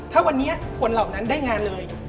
ถ้าวันนี้คนเหล่านั้นได้งานเลย